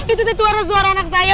itu suara anak saya